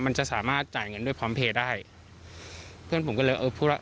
มันจะสามารถจ่ายเงินด้วยพร้อมเพลย์ได้เพื่อนผมก็เลยเออพูดแล้ว